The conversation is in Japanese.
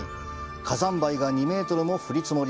火山灰が２メートルも降り積もり